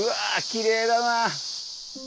きれいだな。